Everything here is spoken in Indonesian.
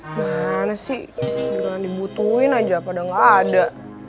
mana sih jangan dibutuhin aja pada gak ada